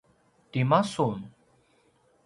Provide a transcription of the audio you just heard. tima sun?